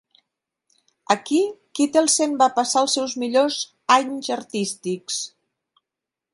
Aquí Kittelsen va passar els seus millors anys artístics.